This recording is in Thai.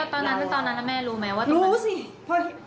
ตอนนั้นแล้วแม่รู้ไหมว่าตรงนั้นมีถัง